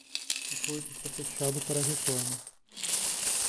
O porto está fechado para reforma.